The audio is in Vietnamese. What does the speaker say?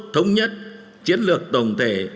thống nhất chiến lược tổng thể